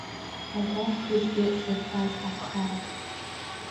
Агәаӷь хәыҷ еиҟәзыршәаз аԥхара.